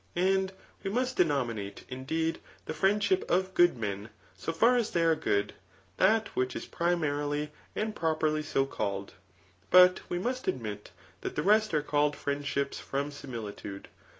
And }P7e must denominate, indeed, the friendship of good men so far as they are good, that which is primarily and pro perly 80 called ; but we must admit that the rest are called friendships from similitude.